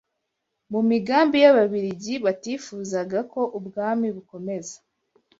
mu migambi y’ababiligi batifuzaga ko ubwami bukomeza